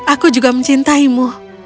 aku juga mencintaimu